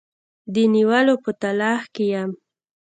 د نیولو په تلاښ کې یم.